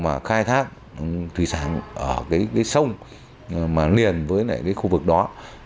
mà khai thác rươi ở sông liền với khu vực đó